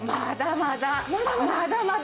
まだまだ。